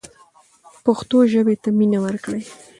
پښتو ژبې ته مینه ورکړئ.